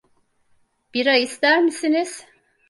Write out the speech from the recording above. Bira ister misiniz?